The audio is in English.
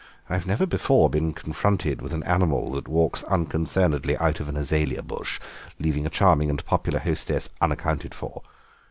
I've never before been confronted with an animal that walks unconcernedly out of an azalea bush, leaving a charming and popular hostess unaccounted for.